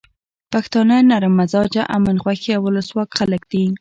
پښتانه نرم مزاجه، امن خوښي او ولسواک خلک دي.